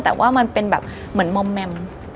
แต่ว่ามันเป็นแบบเหมือนมอมแมม